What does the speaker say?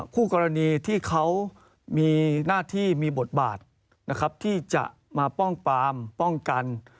คู่กรณีที่เขามีหน้าที่มีบทบาทนะครับที่จะมาป้องปามป้องกัน